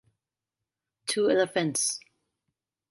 Two elephants.